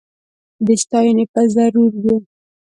د ستایني به ضرور و